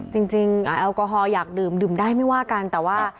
แอลกอฮอล์อยากดื่มดื่มได้ไม่ว่ากันแต่ว่า